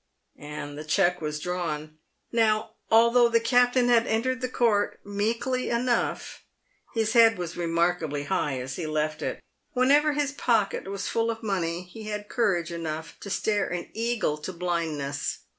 And the cheque was drawn. Now, although the captain had entered the court meekly enough, his head was remarkably high as he left it. Whenever his pocket was full of money he had courage enough to stare an eagle to blind ness.